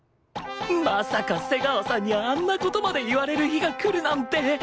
まさか瀬川さんにあんな事まで言われる日が来るなんて！